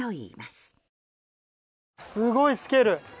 すごいスケール。